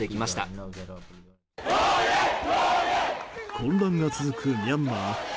混乱が続くミャンマー。